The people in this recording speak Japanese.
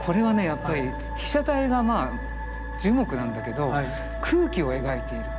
やっぱり被写体がまあ樹木なんだけど空気を描いている。